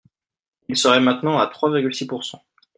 Il serait maintenant à trois virgule six pourcent.